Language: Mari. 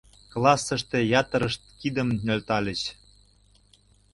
Классыште ятырышт кидым нӧлтальыч.